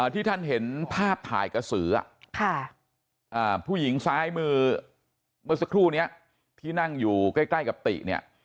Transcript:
ที่ท่านเห็นภาพถ่ายกระสือผู้หญิงซ้ายมือเมื่อสักครู่นี้ที่นั่งอยู่ใกล้กับติเนี่ย